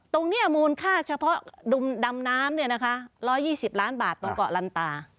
ตรงนี้มูลค่าเฉพาะดำน้ำเนี่ยนะคะ๑๒๐ล้านบาทตรงเกาะลันตา